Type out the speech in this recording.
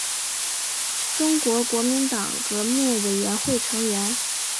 中国国民党革命委员会成员。